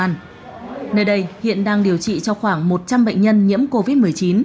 nơi đây hiện đang điều trị cho khoảng một trăm linh bệnh nhân nhiễm covid một mươi chín